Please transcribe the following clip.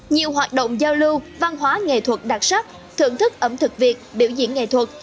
nhiều hoạt động giao lưu văn hóa nghệ thuật đặc sắc thưởng thức ẩm thực việt biểu diễn nghệ thuật